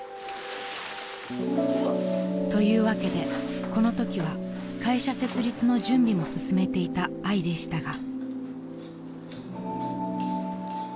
［というわけでこのときは会社設立の準備も進めていたあいでしたが］